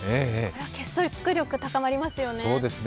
結束力、高まりますよね。